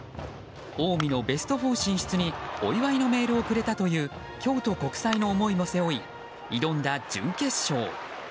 近江のベスト４進出にお祝いのメールをくれたという京都国際の思いも背負い挑んだ準決勝。